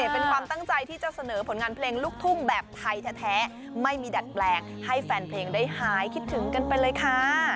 เป็นความตั้งใจที่จะเสนอผลงานเพลงลูกทุ่งแบบไทยแท้ไม่มีดัดแปลงให้แฟนเพลงได้หายคิดถึงกันไปเลยค่ะ